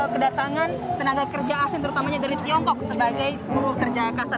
kedatangan tenaga kerja asing terutamanya dari tiongkok sebagai buruh kerja kasar